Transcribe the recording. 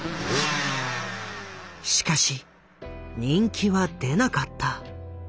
しかし人気は出なかった。